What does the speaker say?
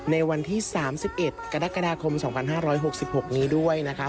ในวันที่๓๑กรกฎาคม๒๕๖๖นี้ด้วยนะคะ